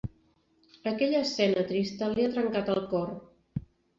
Aquella escena trista li ha trencat el cor.